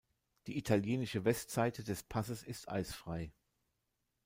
Die italienische Westseite des Passes ist eisfrei.